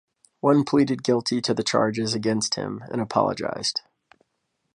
One pleaded guilty to the charges against him and apologised.